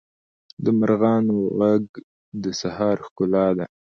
د مرغانو ږغ د سهار ښکلا ده.